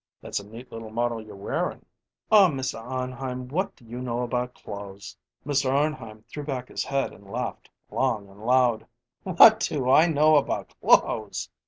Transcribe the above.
"That's a neat little model you're wearin'." "Aw, Mr. Arnheim, what do you know about clothes?" Mr. Arnheim threw back his head and laughed long and loud. "What do I know about clothes?